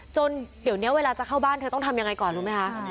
จนเดี๋ยวนี้เวลาจะเข้าบ้านเธอต้องทำยังไงก่อนรู้ไหมคะ